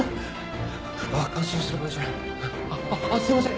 すいません。